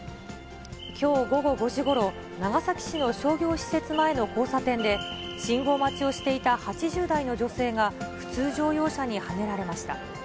きょう午後５時ごろ、長崎市の商業施設前の交差点で、信号待ちをしていた８０代の女性が、普通乗用車にはねられました。